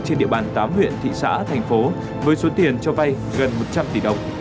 trên địa bàn tám huyện thị xã thành phố với số tiền cho vay gần một trăm linh tỷ đồng